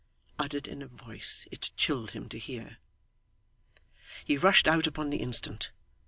uttered in a voice it chilled him to hear. He rushed out upon the instant.